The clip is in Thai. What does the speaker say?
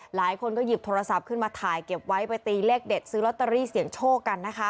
หลายคนก็หยิบโทรศัพท์ขึ้นมาถ่ายเก็บไว้ไปตีเลขเด็ดซื้อลอตเตอรี่เสียงโชคกันนะคะ